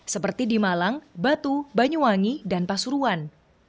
seperti di malang batu banyuwangi dan pasuruan